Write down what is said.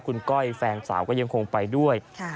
คุณก้อยแฟนสาวก็ยังคงไปด้วย